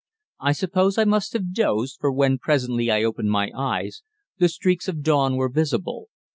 I suppose I must have dozed, for when, presently, I opened my eyes, the streaks of dawn were visible.